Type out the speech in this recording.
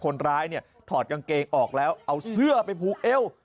คนร้ายเนี่ยถอดกางเกงออกแล้วเอาเสื้อไปผูกเอว